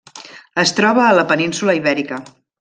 Es troba a la península Ibèrica.